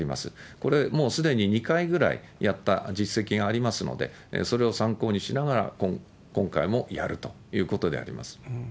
これ、もうすでに２回ぐらいやった実績がありますので、それを参考にしながら、今回もやるということであります。